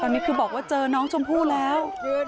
ตอนนี้คือบอกว่าเจอน้องชมพู่แล้ว